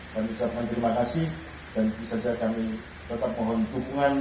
kami ucapkan terima kasih dan bisa saja kami tetap mohon dukungan